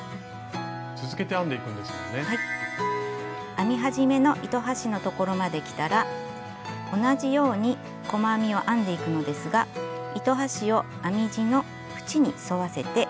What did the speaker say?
編み始めの糸端のところまできたら同じように細編みを編んでいくのですが糸端を編み地のふちに沿わせて編みくるんでいきます。